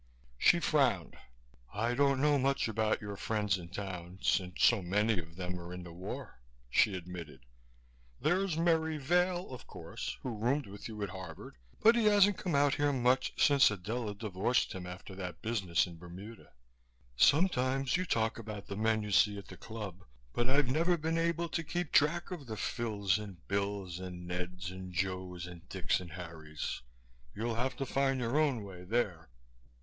She frowned. "I don't know much about your friends in town, since so many of them are in the war," she admitted. "There's Merry Vail, of course, who roomed with you at Harvard, but he hasn't come out here much since Adela divorced him after that business in Bermuda. Sometimes you talk about the men you see at the Club but I've never been able to keep track of the Phils and Bills and Neds and Joes and Dicks and Harrys. You'll have to find your own way there.